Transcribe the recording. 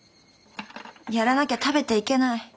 やらなきゃ食べていけない。